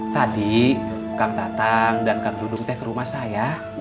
tadi kang tatang dan kang dudung teh kerumah saya